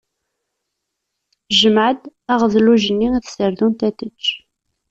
Jmeɛ-d aɣedluj-nni i tserdunt ad t-tečč.